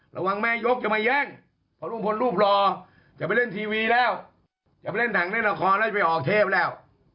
ระวังแม่ยกจะมาแย่งเพราะลุงพลรูปรอจะไปเล่นทีวีแล้วจะไปเล่นถังเล่นละครแล้วจะไปออกเทพแล้ว